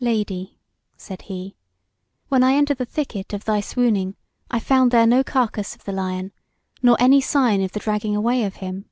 "Lady," said he, "when I entered the thicket of thy swooning I found there no carcase of the lion, nor any sign of the dragging away of him."